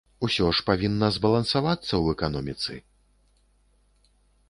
Усё ж павінна збалансавацца ў эканоміцы.